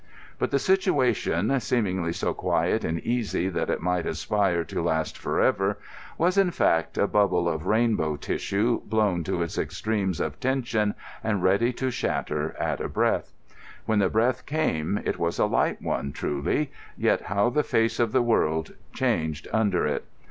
But the situation, seemingly so quiet and easy that it might aspire to last for ever, was, in fact, a bubble of rainbow tissue blown to its extremes of tension and ready to shatter at a breath. When the breath came it was a light one, truly, yet how the face of the world changed under it.